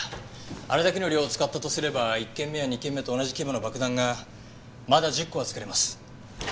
あれだけの量を使ったとすれば１件目や２件目と同じ規模の爆弾がまだ１０個は作れます。